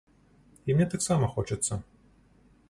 І мне таксама хочацца.